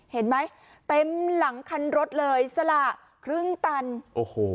เห็นไหมเต็มหลังคันรถเลยสละครึ่งตันโอ้โห